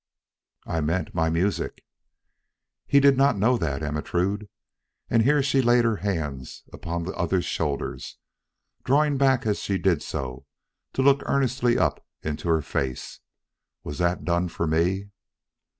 "I meant my music." "He did not know that, Ermentrude," and here she laid her hands upon the other's shoulders, drawing back as she did so to look earnestly up into her face. "Was that done for me?"